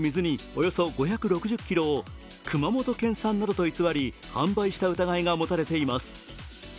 およそ５６０ｋｇを熊本県産などと偽り販売した疑いが持たれています。